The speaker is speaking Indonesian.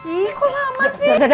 ih kok lama sih